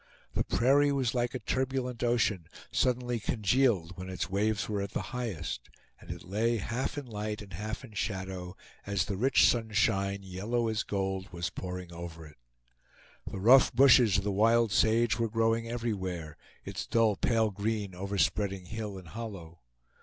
The prairie was like a turbulent ocean, suddenly congealed when its waves were at the highest, and it lay half in light and half in shadow, as the rich sunshine, yellow as gold, was pouring over it. The rough bushes of the wild sage were growing everywhere, its dull pale green overspreading hill and hollow.